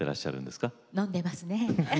飲んでますね。